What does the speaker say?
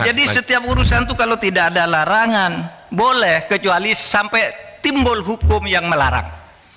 jadi setiap urusan itu kalau tidak ada larangan boleh kecuali sampai timbul hukum yang melarang